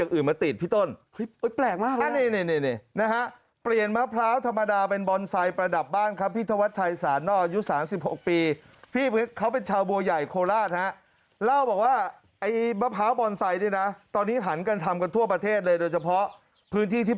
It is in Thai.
เขาเป็นมะพร้าวบอนไซส์มันเป็นอย่างนี้